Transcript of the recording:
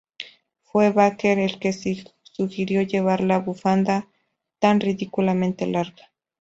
Fue Baker el que sugirió llevar la bufanda tan ridículamente larga.